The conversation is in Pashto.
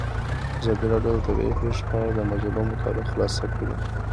ازادي راډیو د طبیعي پېښې په اړه د مجلو مقالو خلاصه کړې.